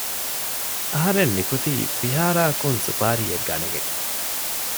އަހަރެން ނިކުތީ ފިހާރައަކުން ސުޕާރީއެއް ގަނެގެން